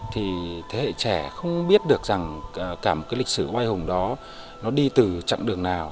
thì thế hệ trẻ không biết được rằng cả một cái lịch sử hoài hồng đó